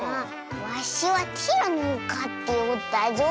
わしはティラノをかっておったぞ。